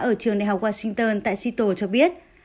ở trường đh washington tại seattle cho biết